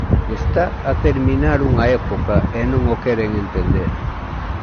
Está a terminar unha época e non o queren entender.